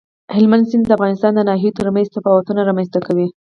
هلمند سیند د افغانستان د ناحیو ترمنځ تفاوتونه رامنځ ته کوي.